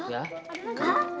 tuh ada lagi